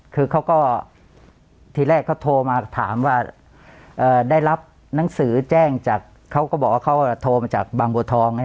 คือเขาก็ทีแรกเขาโทรมาถามว่าได้รับหนังสือแจ้งจากเขาก็บอกว่าเขาโทรมาจากบางบัวทอง